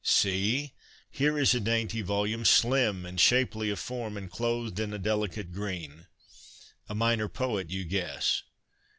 See ! Here is a dainty volume, slim and shapely of form, and clothed in a delicate green. A minor poet, you guess.